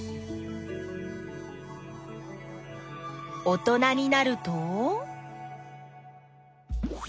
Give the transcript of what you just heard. おとなになると？